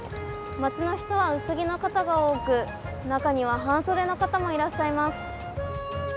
街の人は薄着の方が多く、中には半袖の方もいらっしゃいます。